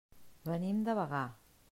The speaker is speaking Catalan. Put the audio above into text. Venim de Bagà.